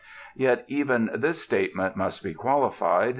Yet even this statement must be qualified.